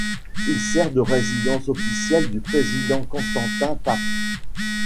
Il sert de résidence officielle du président Konstantin Päts.